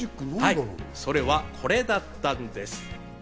それは、これだったんです。